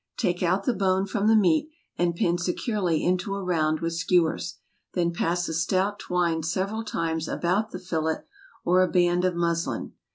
Take out the bone from the meat, and pin securely into a round with skewers; then pass a stout twine several times about the fillet, or a band of muslin.